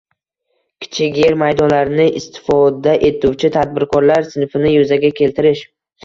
kichik yer maydonlarini istifoda etuvchi tadbirkorlar sinfini yuzaga keltirish